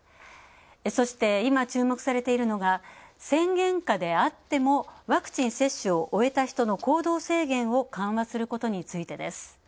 そして、今、注目されているのが宣言下であってもワクチン接種を終えた人の行動制限を緩和することについてです。